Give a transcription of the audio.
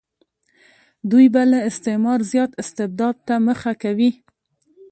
دوی به له استعمار زیات استبداد ته مخه کوي.